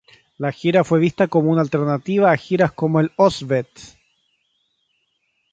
La gira fue vista como una alternativa a giras como el "Ozzfest.